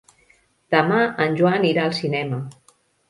Demà en Joan irà al cinema.